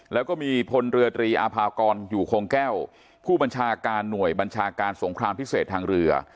แล้วก็มีพลเรือตรีอาภากรอยู่คงแก้วผู้บัญชาการหน่วยบัญชาการสงครามพิเศษทางเรือ